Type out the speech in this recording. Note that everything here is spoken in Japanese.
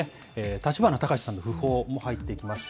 立花隆さんのふ報も入ってきました。